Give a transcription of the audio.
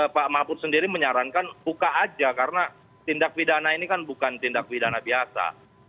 pak mahfud sendiri menyarankan buka aja karena tindak pidana ini kan bukan tindak pidana biasa